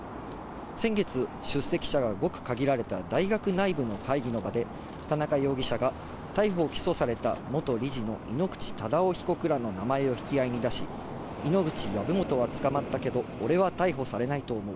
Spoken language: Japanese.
先月、出席者がごく限られた大学内部の会議の場で、田中容疑者が、逮捕・起訴された元理事の井ノ口忠男被告らの名前を引き合いに出し、井ノ口、籔本は捕まったけど、俺は逮捕されないと思う。